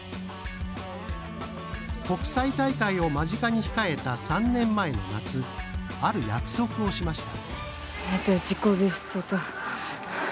国際大会を間近に控えた３年前の夏ある約束をしました。